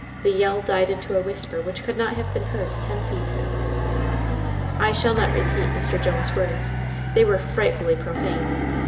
The yell died into a whisper which could not have been heard ten feet. I shall not repeat Mr. Jones's words. They were frightfully profane.